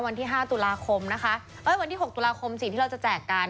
วันที่ห้าตุลาคมนะคะเอ้ยวันที่๖ตุลาคมสิที่เราจะแจกกัน